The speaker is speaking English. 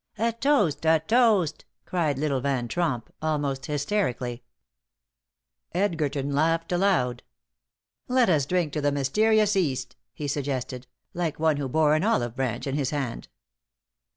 "A toast! A toast!" cried little Van Tromp, almost hysterically. Edgerton laughed aloud. "Let us drink to the mysterious East," he suggested, like one who bore an olive branch in his hand.